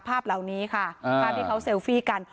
ภาพเหล่านี้ค่ะภาพที่เขาเซลฟี่กัน